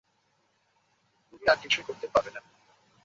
তুমি আর কিছুই করতে পারবে না।